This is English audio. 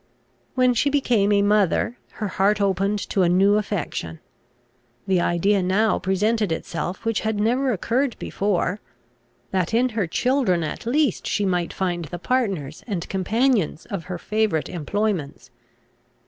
When she became a mother her heart opened to a new affection. The idea now presented itself, which had never occurred before, that in her children at least she might find the partners and companions of her favourite employments.